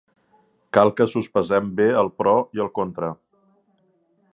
Cal que sospesem bé el pro i el contra.